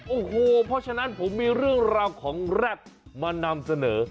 โอ้โหเพราะฉะนั้นผมมีเรื่องราวของแร็ดมานำเสนอ